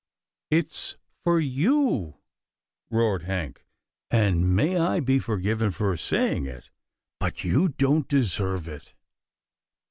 " It's for you," roared Hank, " and may I be forgiven for saying it, but you don't deserve it."